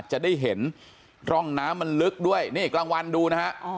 จะได้เห็นร่องน้ำมันลึกด้วยนี่กลางวันดูนะฮะ